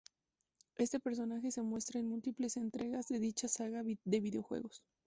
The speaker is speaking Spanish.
Este personaje se muestra en múltiples entregas de dicha saga de videojuegos.